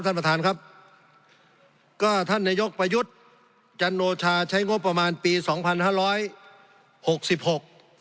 ท่านประธานครับก็ท่านนายกประยุทธ์จันโนชาใช้งบประมาณปีสองพันห้าร้อยหกสิบหก